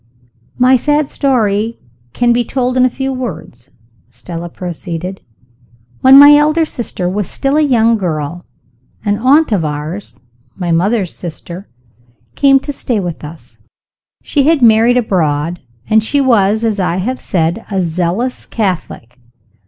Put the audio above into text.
"My sad story can be told in a few words," Stella proceeded. "When my elder sister was still a young girl, an aunt of ours (my mother's sister) came to stay with us. She had married abroad, and she was, as I have said, a zealous Catholic.